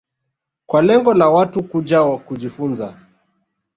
kwa lengo la Watu kuja kujifunza